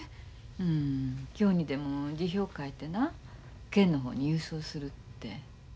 うん今日にでも辞表書いてな県の方に郵送するって。